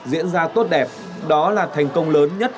diễn ra tốt đẹp đó là thành công lớn nhất